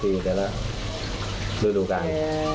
รุ่นดูกาย